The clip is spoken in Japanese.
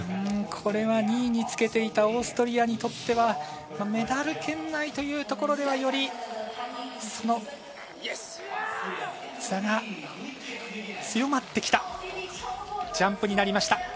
これは２位につけていたオーストリアにとってはメダル圏内というところでは、よりその差が強まってきたジャンプになりました。